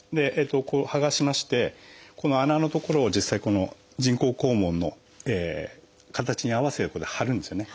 はがしましてこの穴の所を実際この人工肛門の形に合わせてこうやって貼るんですよね。